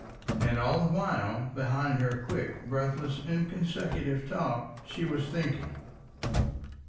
And all the while, behind her quick breathless inconsecutive talk she was thinking.